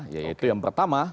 yaitu yang pertama